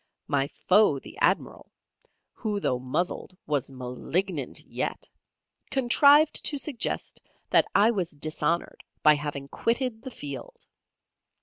My foe, the Admiral, who though muzzled was malignant yet, contrived to suggest that I was dishonoured by having quitted the field.